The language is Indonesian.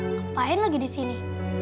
ngapain lagi disini